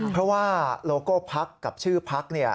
เพราะว่าโลโก้พรักกับชื่อพรักเนี่ย